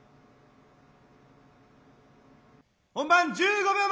本番１５秒前！